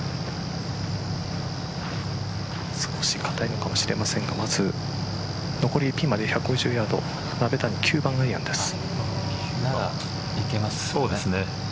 少し硬いのかもしれませんが残りピンまで１５０ヤード鍋谷、９番アイアンです。